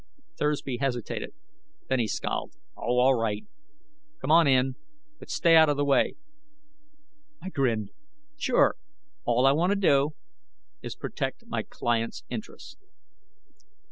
Thursby hesitated, then he scowled. "Oh, all right. Come on in. But stay out of the way." I grinned. "Sure. All I want to do is protect my client's interests."